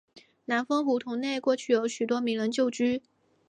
南丰胡同内过去有许多名人旧居。